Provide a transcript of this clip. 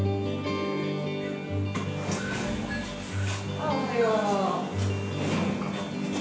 ああおはよう。